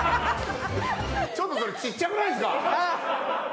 ちょっとそれちっちゃくないですか？